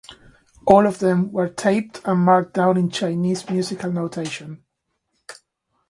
All of them were taped and marked down in Chinese musical notation.